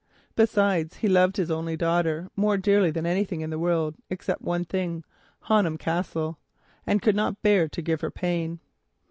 Besides, he loved his only daughter more dearly than anything in the world except one thing, Honham Castle, and could not bear to give her pain.